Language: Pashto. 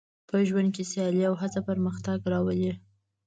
په ژوند کې سیالي او هڅه پرمختګ راولي.